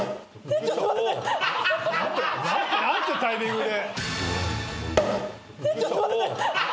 何てタイミングで。